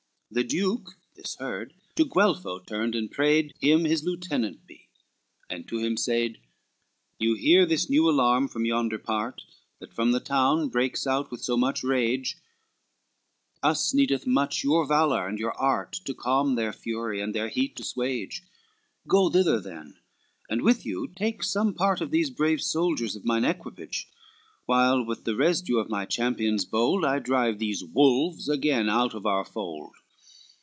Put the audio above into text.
The duke, this heard, to Guelpho turned, and prayed Him his lieutenant be, and to him said: XLIV "You hear this new alarm from yonder part, That from the town breaks out with so much rage, Us needeth much your valor and your art To calm their fury, and their heat to 'suage; Go thither then, and with you take some part Of these brave soldiers of mine equipage, While with the residue of my champions bold I drive these wolves again out of our fold."